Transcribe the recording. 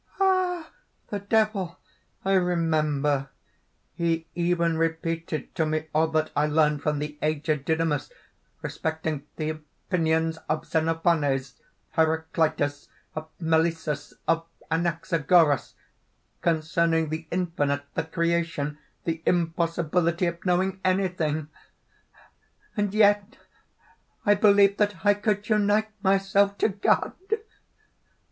"Ah! the Devil! I remember! he even repeated to me all that I learned from the aged Didymus respecting the opinions of Xenophanes, Heraclitus, of Melissus, of Anaxagoras, concerning the infinite, the creation, the impossibility of knowing anything! "And yet I believed that I could unite myself to God!"